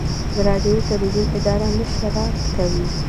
د راډیو تلویزیون اداره نشرات کوي